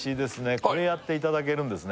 これやっていただけるんですね